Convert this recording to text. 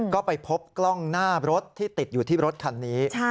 ก็ไปพบกล้องหน้ารถที่ติดอยู่ที่รถคันนี้